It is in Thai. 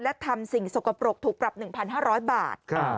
และทำสิ่งสกปรกถูกปรับ๑๕๐๐บาท